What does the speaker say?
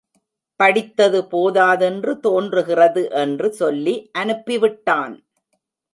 படித்தது போதாதென்று தோன்றுகிறது என்று சொல்லி அனுப்பிவிட்டான்.